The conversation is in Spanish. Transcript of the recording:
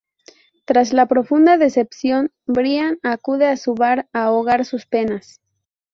Tras la profunda decepción, Brian acude a un bar a ahogar sus penas.